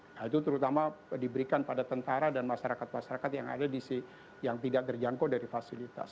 nah itu terutama diberikan pada tentara dan masyarakat masyarakat yang tidak terjangkau dari fasilitas